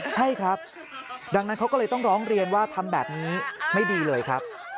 ใช่ครับดังนั้นเขาก็เลยต้องร้องเรียนว่าทำแบบนี้ไม่ดีเลยครับ